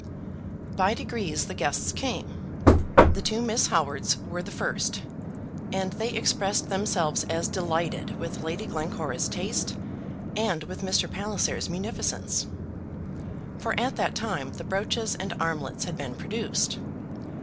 By degrees the guests came. The two Miss Howards were the first, and they expressed themselves as delighted with Lady Glencora's taste and with Mr. Palliser's munificence, for at that time the brooches and armlets had been produced.